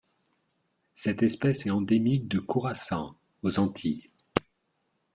Cette espèce est endémique de Curaçao aux Antilles.